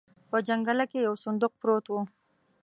په جنګله کې يو صندوق پروت و.